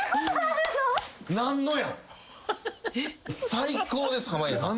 最高です濱家さん。